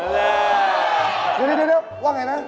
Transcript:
เดี๋ยวว่าไงนะ